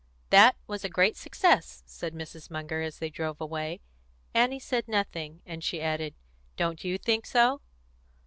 "That was a great success," said Mrs. Munger, as they drove away. Annie said nothing, and she added, "Don't you think so?"